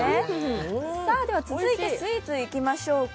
続いてスイーツにいきましょうか。